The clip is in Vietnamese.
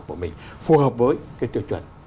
của mình phù hợp với cái tiêu chuẩn